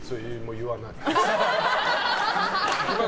言わない。